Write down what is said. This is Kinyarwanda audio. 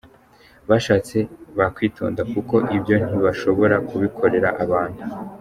"Bashatse bakwitonda, kuko ibyo ntibashobora kubikorera abantu.